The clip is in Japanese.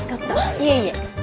いえいえ。